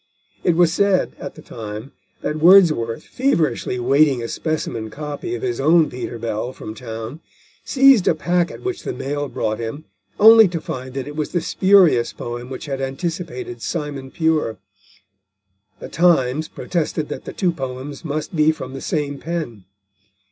It was said, at the time, that Wordsworth, feverishly awaiting a specimen copy of his own Peter Bell from town, seized a packet which the mail brought him, only to find that it was the spurious poem which had anticipated Simon Pure. The Times protested that the two poems must be from the same pen.